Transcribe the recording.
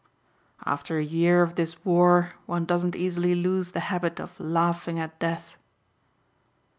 "After a year of this war one doesn't easily lose the habit of laughing at death."